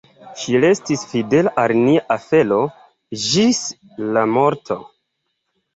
Ŝi restis fidela al nia afero ĝis la morto.